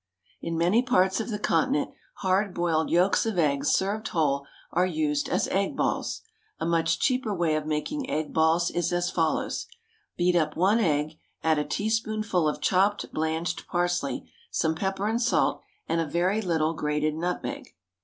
In many parts of the Continent, hard boiled yolks of eggs, served whole, are used as egg balls. A much cheaper way of making egg balls is as follows: Beat up one egg, add a teaspoonful of chopped blanched parsley, some pepper and salt, and a very little grated nutmeg.